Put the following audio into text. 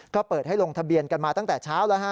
ก็เปิดให้ลงทะเบียนกันมาตั้งแต่เช้าแล้วฮะ